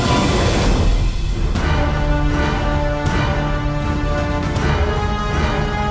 aku akan menangkapmu